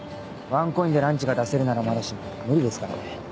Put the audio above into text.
ワンコインでランチが出せるならまだしも無理ですからね。